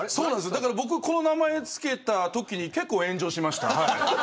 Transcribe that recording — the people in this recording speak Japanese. だから僕この名前付けたときに結構炎上しました。